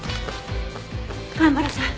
蒲原さん